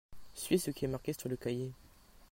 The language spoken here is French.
suis ce qui est marqué sur le cahier.